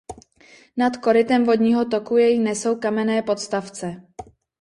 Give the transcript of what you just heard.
Nad korytem vodního toku jej nesou kamenné podstavce.